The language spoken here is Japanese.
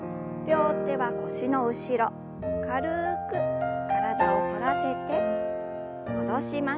両手は腰の後ろ軽く体を反らせて戻します。